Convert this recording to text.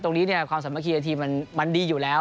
ที่สี่มันเนี่ยความสำหรับคลิยเตียร์ทีมมันมันดีอยู่แล้ว